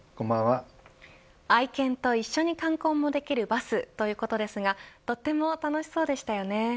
愛犬と一緒に観光もできるバスということですがとっても楽しそうでしたよね。